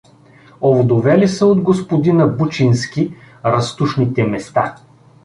Овдовели са от господина Бучински разтушните места.